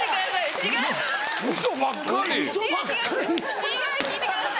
違う聞いてください！